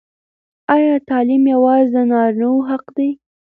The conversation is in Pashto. ایا تعلیم یوازې د نارینه وو حق دی؟